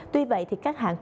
tuy vậy thì các hãng bán